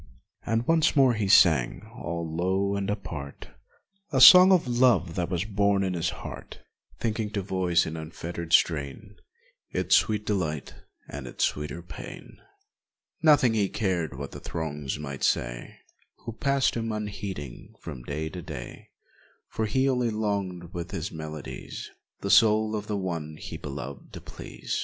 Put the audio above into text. And once more he sang, all low and apart, A song of the love that was born in his heart, Thinking to voice in unfettered strain Its sweet delight and its sweeter pain; m Nothing he cared what the throngs might say Who passed him unheeding from day to day, For he only longed with his melodies The soul of the one beloved to please.